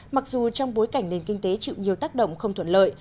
mặc dù trong bối cảnh nền kinh tế chịu nhiều tác động không thuận lợi